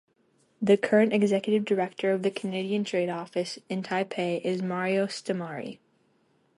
The current Executive Director of the Canadian Trade Office in Taipei is Mario Ste-Marie.